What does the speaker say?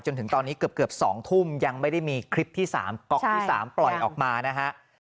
จนถึงตอนนี้เกือบ๒ทุ่มยังไม่ได้มีคลิปที่๓ก๊อกที่๓ปล่อยออกมานะฮะ